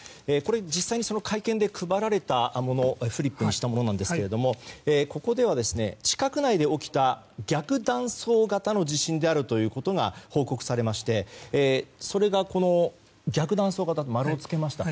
実際に会見で配られたものをフリップにしたものですがここでは、地殻内で起きた逆断層型の地震であることが報告されましてそれが、この逆断層型に丸を付けました。